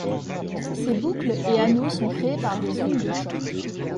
Ces boucles et anneaux sont créés par des ondes de choc.